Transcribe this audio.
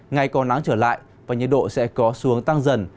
ngày có nắng trở lại và nhiệt độ sẽ có xuống tăng dần